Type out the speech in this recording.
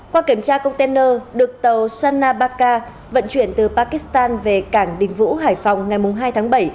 qua kiểm tra container được tàu sanabaka vận chuyển từ pakistan về cảng đình vũ hải phòng ngày hai tháng bảy